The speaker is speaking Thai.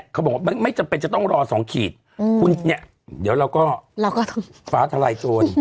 ลางงานมาเลย